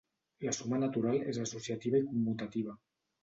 La suma natural és associativa i commutativa.